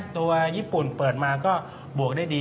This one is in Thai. ตัวญี่ปุ่นเปิดมาก็บวกได้ดี